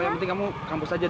yang penting kamu kampus aja